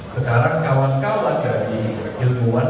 sekarang kawan kawan dari ilmuwan